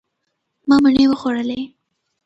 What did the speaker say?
ما مڼې وخوړلې.